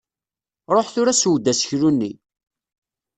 Ruḥ tura seww-d seksu-nni.